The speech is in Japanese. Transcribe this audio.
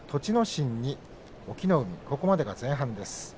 心に隠岐の海までが前半です。